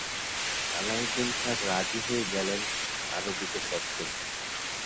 আলাউদ্দিন খাঁ রাজি হয়ে গেলেন আরোপিত শর্তে।